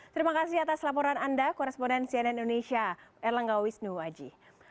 terima kasih atas laporan anda koresponden cnn indonesia erlangga wisnu aji